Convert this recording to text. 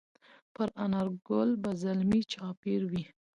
پر انارګل به زلمي چاپېروي